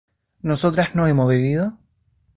¿nosotras no hemos bebido?